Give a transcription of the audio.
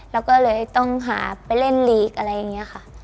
แล้วก็เลยต้องหาไปเล่นลีกอะไรอย่างนี้ค่ะ